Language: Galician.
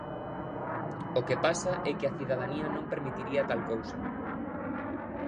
O que pasa é que a cidadanía non permitiría tal cousa.